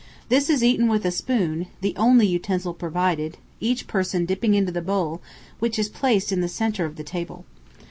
This is eaten with a spoon, the only utensil provided, each person dipping into the bowl, which is placed in the centre of the table.